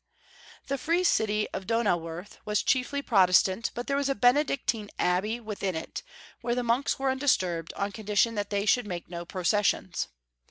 The free city of Donauwerth was chiefly Prot estant, but there was a Benedictine abbey within it, where the monks Avere undisturbed, on condition that they should mcake no processions.